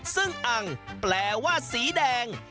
ซึ่งอังแปลว่าสีแดง